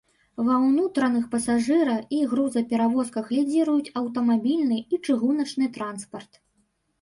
Ва ўнутраных пасажыра- і грузаперавозках лідзіруюць аўтамабільны і чыгуначны транспарт.